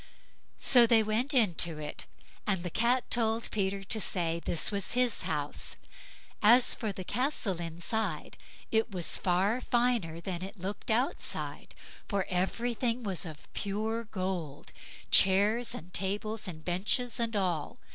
So they went into it, and the Cat told Peter to say this was his house. As for the castle inside, it was far finer than it looked outside, for everything was pure gold—chairs, and tables, and benches, and all.